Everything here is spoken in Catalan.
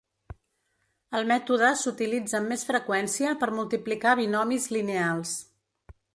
El mètode s'utilitza amb més freqüència per multiplicar binomis lineals.